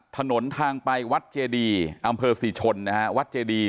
ถนนทางไปวัดเจดีอำเภอศรีชนนะฮะวัดเจดี